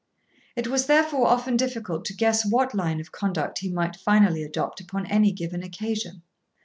It was therefore often difficult to guess what line of conduct he might finally adopt upon any given occasion.